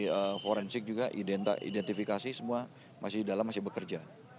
di forensik juga identifikasi semua masih di dalam masih bekerja